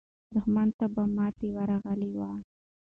دښمن ته به ماته ورغلې وه.